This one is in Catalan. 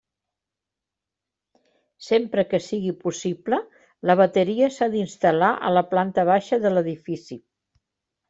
Sempre que sigui possible, la bateria s'ha d'instal·lar a la planta baixa de l'edifici.